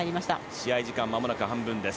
試合時間はまもなく半分です。